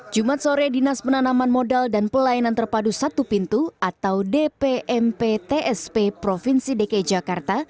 jumat sore dinas penanaman modal dan pelayanan terpadu satu pintu atau dpmp tsp provinsi dki jakarta